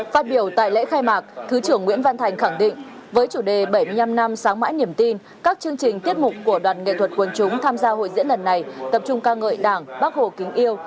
phát biểu tại lễ khai mạc thứ trưởng nguyễn văn thành khẳng định với chủ đề bảy mươi năm năm sáng mãi niềm tin các chương trình tiết mục của đoàn nghệ thuật quân chúng tham gia hội diễn lần này tập trung ca ngợi đảng bác hồ kính yêu